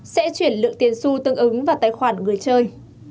sẽ chuyển lượng tiền su tương ứng vào tài khoản người chơi